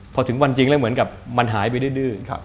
พอถึงวันจริงแล้วเหมือนกับมันหายไปดื้อ